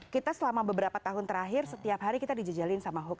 kita selama beberapa tahun terakhir setiap hari kita dijejalin sama hoax